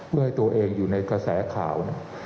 เพื่อให้ตัวเองอยู่ในกระแสข่าว